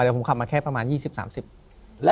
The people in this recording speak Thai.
ถูกต้องไหมครับถูกต้องไหมครับ